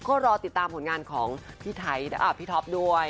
ก็รอติดตามผลงานของพี่ไทยพี่ท็อปด้วย